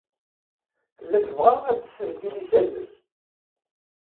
Tella tebɣa ad tessen tilisa-nnes.